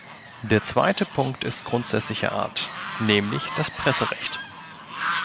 Der zweite Punkt ist grundsätzlicher Art, nämlich das Presserecht.